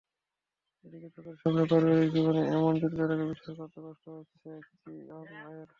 এদিকে চোখের সামনে পারিবারিক জীবনের এমন জটিলতাকে বিশ্বাস করতে কষ্ট হচ্ছে চিয়েঅং-এর।